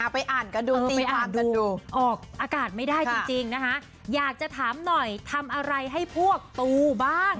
ไปอ่านกันดูตีอ่านกันดูออกอากาศไม่ได้จริงนะคะอยากจะถามหน่อยทำอะไรให้พวกตูบ้าง